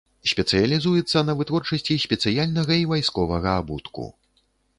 Спецыялізуецца на вытворчасці спецыяльнага і вайсковага абутку.